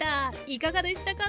いかがでしたか？